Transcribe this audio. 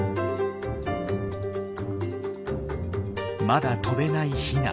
まだ飛べないヒナ。